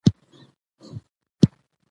څه وايي.